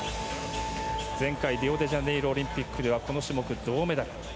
前回、リオデジャネイロオリンピックではこの種目、銅メダル。